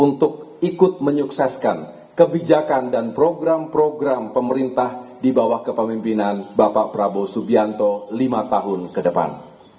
untuk ikut menyukseskan kebijakan dan program program pemerintah di bawah kepemimpinan bapak prabowo subianto lima tahun ke depan